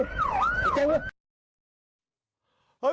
ลงมา